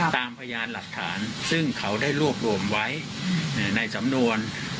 พยานหลักฐานซึ่งเขาได้รวบรวมไว้ในสำนวน